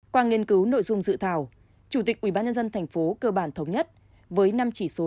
qua nghiên cứu nội dung dự thảo chủ tịch ủy ban nhân dân tp hcm cơ bản thống nhất với năm chỉ số